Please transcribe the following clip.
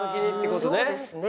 そうですね。